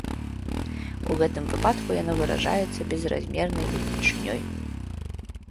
У гэтым выпадку яно выражаецца безразмернай велічынёй.